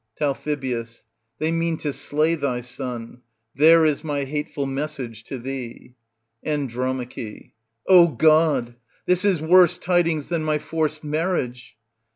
Tal. They mean to slay thy son; there is my hateful message to thee. And. O God! this is worse tidings than my forced marriage.